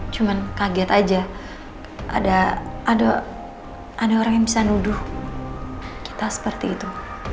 cuman kaget aja ada ada ada orang yang bisa nuduh kita seperti itu